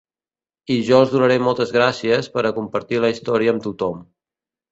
I jo els donaré moltes gràcies per a compartir la història amb tothom.